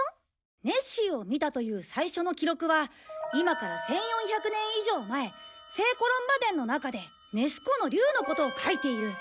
ネッシーを見たという最初の記録は今から１４００年以上前『聖コロンバ伝』の中でネス湖の竜のことを書いている。